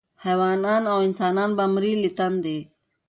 حیوانان او انسانان به مري له تندي